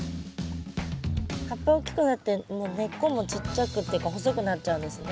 葉っぱ大きくなってもう根っこもちっちゃくっていうか細くなっちゃうんですね。